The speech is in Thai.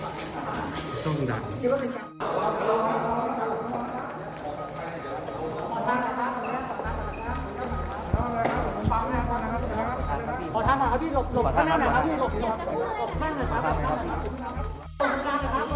อันนี้แหละครับ